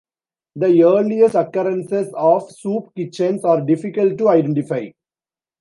The earliest occurrences of soup kitchens are difficult to identify.